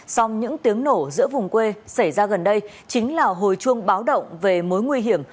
song những tiếng nổ giữa vùng quê xảy ra gần đây chính là hồi chuông báo động về mối nguy hiểm